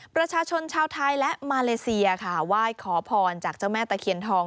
ประชาชนชาวไทยและมาเลเซียค่ะไหว้ขอพรจากเจ้าแม่ตะเคียนทอง